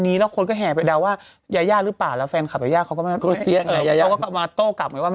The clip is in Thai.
มีเงินในกระเป๋าไหม